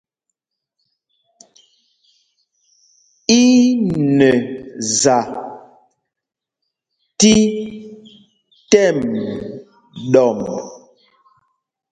I nɛ za tí tɛ́m ɗɔmb.